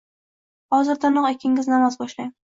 Hozirdanoq ikkingiz namoz boshlang